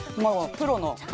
プロの味。